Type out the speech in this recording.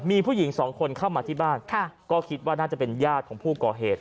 มีผู้หญิงสองคนเข้ามาที่บ้านก็คิดว่าน่าจะเป็นญาติของผู้ก่อเหตุ